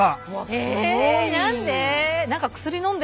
え何で？